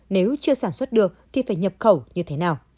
nếu chưa sản xuất được thì phải nhập khẩu như thế nào